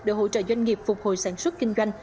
để hỗ trợ doanh nghiệp phục hồi sản xuất kinh doanh